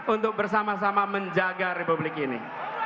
untuk bersama sama menjaga republik ini